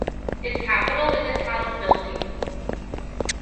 Its capital is the town of Biltine.